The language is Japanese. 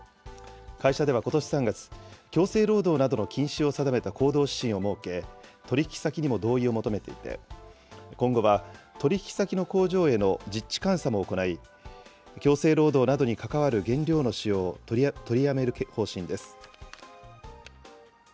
会社ではことし３月、強制労働などの禁止を定めた行動指針を設け、取引先にも同意を求めていて、今後は、取引先の工場への実地監査も行い、強制労働などに関わる原料の使用を取りやめる方針です。